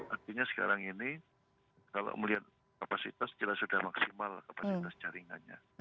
artinya sekarang ini kalau melihat kapasitas jelas sudah maksimal kapasitas jaringannya